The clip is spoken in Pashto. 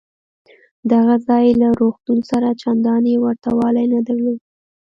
دغه ځای له روغتون سره چندانې ورته والی نه درلود.